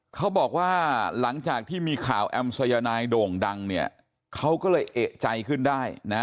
เขาบอกว่าหลังจากที่มีข่าวแอมสายนายโด่งดังเนี่ยเขาก็เลยเอกใจขึ้นได้นะ